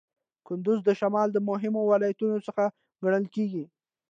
کندز د شمال د مهمو ولایتونو څخه ګڼل کیږي.